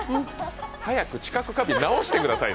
早く知覚過敏治してください。